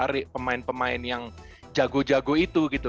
menarik pemain pemain yang jago jago itu gitu